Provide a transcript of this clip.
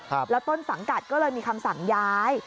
แล้วต้นสังกัดก็เลยมีคำสั่งย้าย